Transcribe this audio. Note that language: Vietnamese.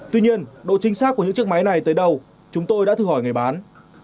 tuy nhiên độ chính xác của những chiếc máy này tới đâu chúng tôi đã thử hỏi người bán